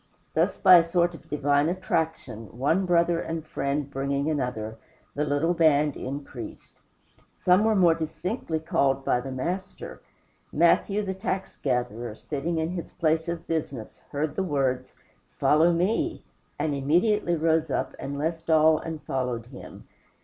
Thus, by a sort of divine attraction, one brother and friend bringing another, the little band increased. Some were more distinctly called by the Master. Matthew, the tax gatherer, sitting in his place of business, heard the words, "Follow me," and immediately rose up, and left all and followed him.